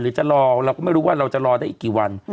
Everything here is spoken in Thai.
จะรอเราก็ไม่รู้ว่าเราจะรอได้อีกกี่วัน